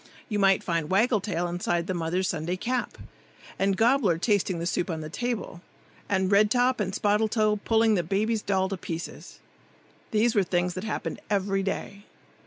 You might find Waggle tail inside the mother's Sunday cap, and Gobbler tasting the soup on the table, and Red top and Spottle toe pulling the baby's doll to pieces. These were things that happened every day.